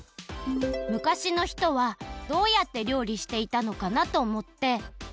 「昔の人はどうやって料理していたのかな？」とおもって。